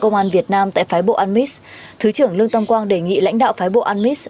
công an việt nam tại phái bộ anmis thứ trưởng lương tam quang đề nghị lãnh đạo phái bộ anmis